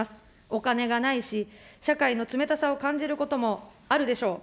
お金がないし、社会の冷たさを感じることもあるでしょう。